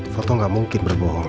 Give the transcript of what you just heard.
foto gak mungkin berbohong